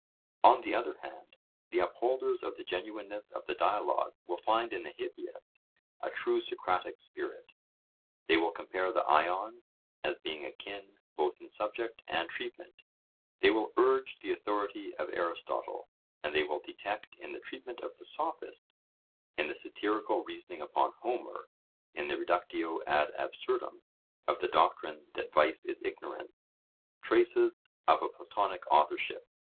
On the other hand, the upholders of the genuineness of the dialogue will find in the Hippias a true Socratic spirit; they will compare the Ion as being akin both in subject and treatment; they will urge the authority of Aristotle; and they will detect in the treatment of the Sophist, in the satirical reasoning upon Homer, in the reductio ad absurdum of the doctrine that vice is ignorance, traces of a Platonic authorship.